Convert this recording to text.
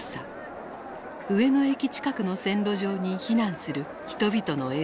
上野駅近くの線路上に避難する人々の映像である。